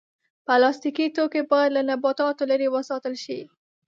پلاستيکي توکي باید له نباتاتو لرې وساتل شي.